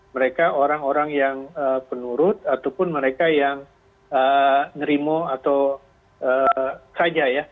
mereka orang orang yang penurut ataupun mereka yang nerimo atau saja ya